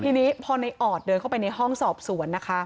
ทีนี้พอในออดเดินเข้าไปในห้องสอบสวนนะคะ